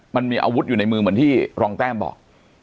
มันมีอาวุธอยู่ในมือเหมือนที่รองแต้มบอก